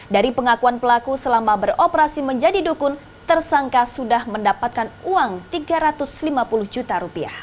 dari pengakuan pelaku selama beroperasi menjadi dukun tersangka sudah mendapatkan uang rp tiga ratus lima puluh juta